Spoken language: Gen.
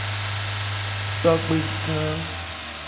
Togbega.